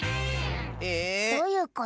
えっ⁉どういうこと？